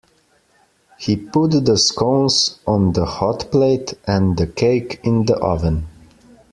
He put the scones on the hotplate, and the cake in the oven